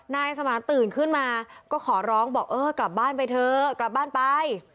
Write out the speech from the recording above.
นายสมานตื่นขึ้นมาก็ขอร้องบอกเออกลับบ้านไปเถอะกลับบ้านไป